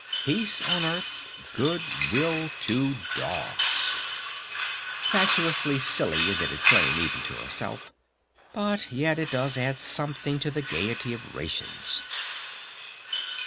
"Peace on Earth, Good Will to Dogs." "Fatuously silly," admitted Flame even to herself. "But yet it does add something to the Gayety of Rations!"